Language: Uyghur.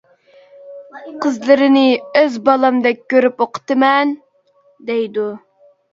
قىزلىرىنى ئۆز بالامدەك كۆرۈپ ئوقۇتىمەن دەيدۇ.